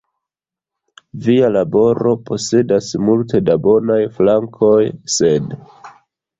Via laboro posedas multe da bonaj flankoj, sed.